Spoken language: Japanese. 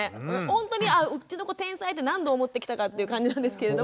ほんとにあうちの子天才って何度思ってきたかって感じなんですけど。